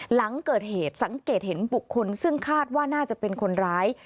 หลังเกิดเหตุสังเกตเห็นบุคคลซึ่งคาดว่าน่าจะเป็นคนร้าย